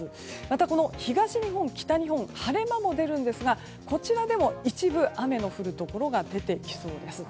また、東日本、北日本晴れ間も出るんですがこちらでも一部雨の降るところが出てきそうです。